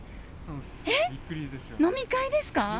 えっ？飲み会ですか？